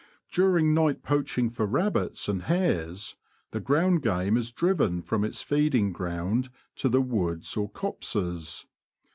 During night poaching for rabbits and hares the ground game is driven from its feeding ground to the woods or copses.